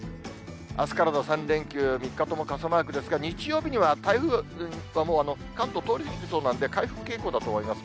あすからの３連休、３日間とも傘マークですが、日曜日には台風も、関東通り過ぎそうなんで、回復傾向だと思います。